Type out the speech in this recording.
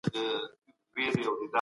دولت د ټولني خدمتګار دی.